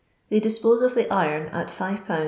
They dispose of the iron at 5 lbs.